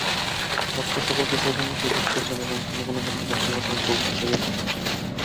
বক্তা সকলকেই সৌজন্যের সহিত উত্তর দেন এবং কোন কোন ক্ষেত্রে প্রশ্নকর্তাকে খুব হাসাইয়া তুলেন।